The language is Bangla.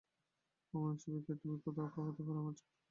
তোমার মনের ছবিকে তুমি কথা কওয়াতে পার, আমার ছবি বোবা।